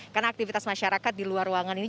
karena aktivitas masyarakat di luar ruangan ini